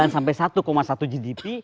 sampai satu satu gdp